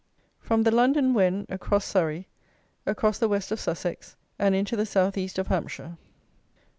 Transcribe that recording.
FROM THE (LONDON) WEN ACROSS SURREY, ACROSS THE WEST OF SUSSEX, AND INTO THE SOUTH EAST OF HAMPSHIRE.